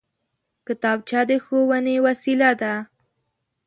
کتابچه د ښوونې وسېله ده